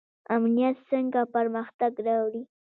امنیت څنګه پرمختګ راوړي؟